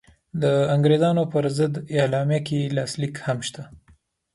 د انګرېزانو پر ضد اعلامیه کې یې لاسلیک هم شته.